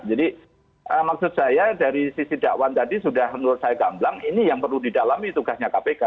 jadi maksud saya dari sisi dakwaan tadi sudah menurut saya kamblang ini yang perlu didalami tugasnya kpk